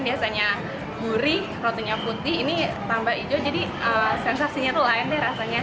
biasanya gurih rotinya putih ini tambah hijau jadi sensasinya tuh lain deh rasanya